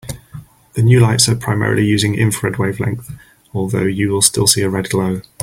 The new lights are primarily using infrared wavelength, although you will still see a red glow.